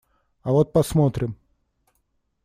А вот посмотрим!